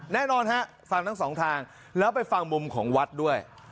แน่นอนฮะฟังทั้งสองทางแล้วไปฟังมุมของวัดด้วย